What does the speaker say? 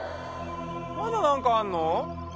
まだなんかあんの？